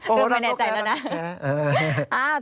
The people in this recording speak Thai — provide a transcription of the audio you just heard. โอ้โฮไม่แน่ใจแล้วนะ